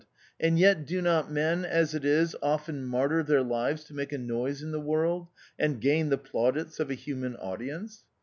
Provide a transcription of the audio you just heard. and yet do not men as it is often martyr their lives to make a noise in the world, and gain the plaudits of a human audience